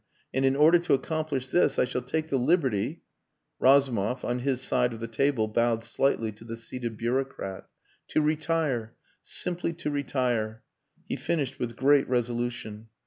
And in order to accomplish this I shall take the liberty...." Razumov on his side of the table bowed slightly to the seated bureaucrat. "... To retire simply to retire," he finished with great resolution.